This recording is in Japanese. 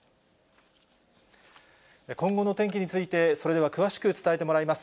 今後の天気について、それでは詳しく伝えてもらいます。